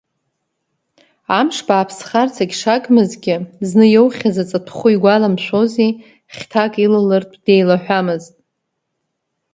Амш бааԥсхарц агьшагмызгьы, зны иоухьаз аҵатәхәы игәаламшәози, хьҭак илалартә деилаҳәамызт.